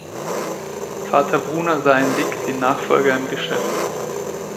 Vater Bruna sah in Dick den Nachfolger im Geschäft.